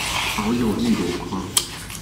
好友一籮筐